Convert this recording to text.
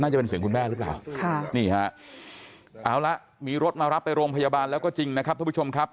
จะเป็นเสียงคุณแม่หรือเปล่าค่ะนี่ฮะเอาละมีรถมารับไปโรงพยาบาลแล้วก็จริงนะครับท่านผู้ชมครับ